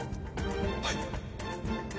はい。